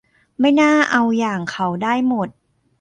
ไม่น่าเอาอย่างเขาได้หมด